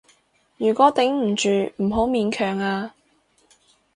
如果頂唔住，唔好勉強啊